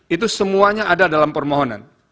itu semuanya ada dalam permohonan